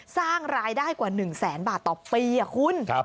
สร้างรายได้กว่า๑แสนบาทต่อปีคุณ